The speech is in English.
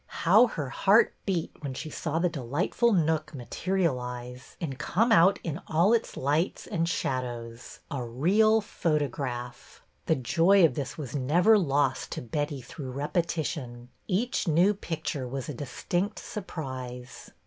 How her heart beat when she saw the delightful nook materialize and come out in all its lights and shadows, a real photograph ! The joy of this was 30 BETTY BAIRD'S VENTURES never lost to Betty through repetition ; each new picture was a distinct surprise.